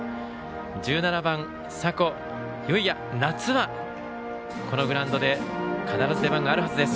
１７番、迫結哉夏はこのグラウンドで必ず出番があるはずです。